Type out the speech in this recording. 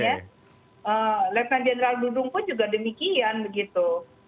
lieutenant general dudung pun juga demikian gitu